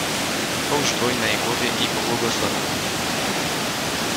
Połóż dłoń na jej głowie i pobłogosław ją.